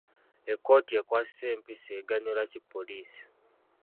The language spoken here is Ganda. Ekkooti ekwasisa empisa eganyula ki poliisi?